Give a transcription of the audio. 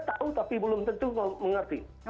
tahu tapi belum tentu mengerti